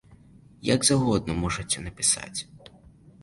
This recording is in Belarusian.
Як заўгодна можаце напісаць.